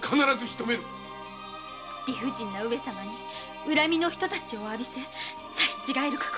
理不尽な上様に恨みの一太刀を浴びせ刺し違える覚悟。